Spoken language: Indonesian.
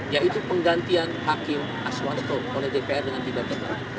yaitu penggantian hakim aswanto oleh dpr dengan tidak tebal